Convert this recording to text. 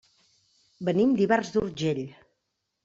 Venim d'Ivars d'Urgell.